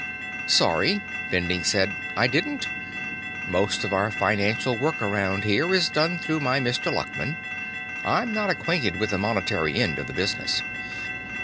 "Sorry," Bending said. "I didn't. Most of the financial work around here is done through my Mr. Luckman. I'm not acquainted with the monetary end of the business."